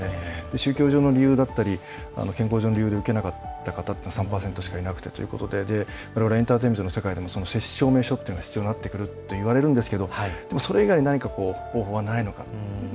宗教上の理由だったり健康上の理由で受けなかった人というのは３％しかいなくてということでエンターテインメントの世界でも接種証明書というのが必要になるとはいわれているんですがそれ以外に何か方法はないのか。